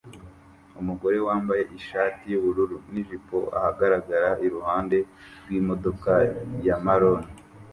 Umugore wambaye ishati yubururu nijipo ahagarara iruhande rwimodoka ya marone